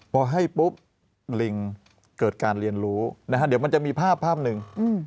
พอให้ปุ๊บลิงเกิดการเรียนรู้นะฮะเดี๋ยวมันจะมีภาพภาพหนึ่ง